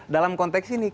dalam konteks ini